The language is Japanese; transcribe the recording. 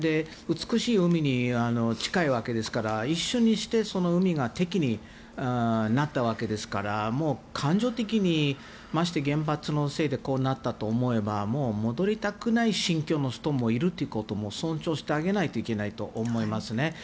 美しい海に近いわけですから一瞬にして、その海が敵になったわけですから感情的にまして原発のせいでこうなったと思えば戻りたくない心境の人もいるってことも尊重してあげないといけないと思いますね。